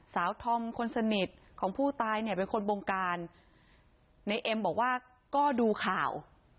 ธอมคนสนิทของผู้ตายเนี่ยเป็นคนบงการในเอ็มบอกว่าก็ดูข่าว